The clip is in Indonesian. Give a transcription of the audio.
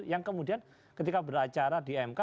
yang kemudian ketika beracara di mk